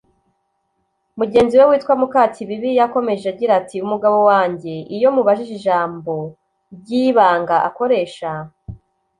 Mugenzi we witwa Mukakibibi yakomeje agira ati “Umugabo wanjye iyo mubajije ijambo ry’ibanga akoresha